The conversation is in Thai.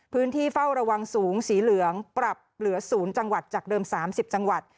พื้นที่เฝ้าระวังสูงสีเหลืองปรับเหลือ๐จังหวัดจากเดิม๓๐จังหวัด